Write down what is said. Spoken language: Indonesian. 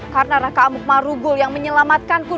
karena raka amung marugul yang menyelamatkan ku